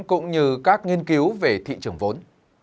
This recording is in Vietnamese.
cũng như các nghiên cứu về thị trường vốn